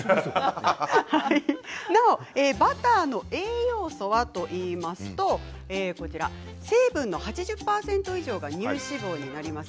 なおバターの栄養素はといいますと成分の８０％以上が乳脂肪になります。